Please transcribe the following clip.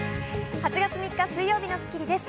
８月３日、水曜日の『スッキリ』です。